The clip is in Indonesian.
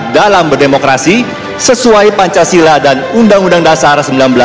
dalam berdemokrasi sesuai pancasila dan undang undang dasar seribu sembilan ratus empat puluh lima